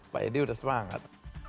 pak edi udah semangat